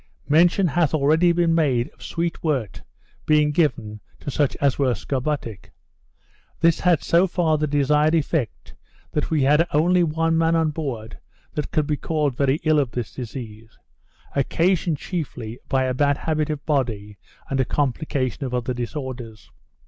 Mention hath already been made of sweet wort being given to such as were scorbutic. This had so far the desired effect, that we had only one man on board that could be called very ill of this disease; occasioned chiefly, by a bad habit of body, and a complication of other disorders.